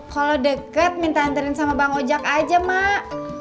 kalau deket minta anterin sama bang ojak aja mak